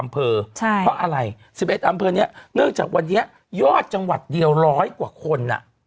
อำเภอเพราะอะไร๑๑อำเภอนี้เนื่องจากวันนี้ยอดจังหวัดเดียวร้อยกว่าคน